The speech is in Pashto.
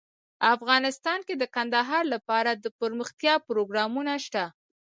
افغانستان کې د کندهار لپاره دپرمختیا پروګرامونه شته.